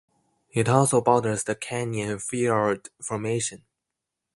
It also borders the Canyon Fiord Formation.